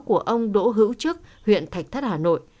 của ông đỗ hữu trước huyện thạch thất hà nội